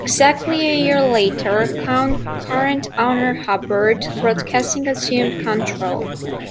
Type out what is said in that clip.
Exactly a year later, current owner Hubbard Broadcasting assumed control.